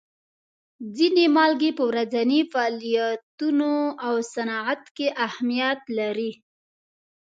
ځینې مالګې په ورځیني فعالیتونو او صنعت کې اهمیت لري.